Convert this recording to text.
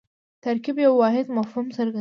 ترکیب یو واحد مفهوم څرګندوي.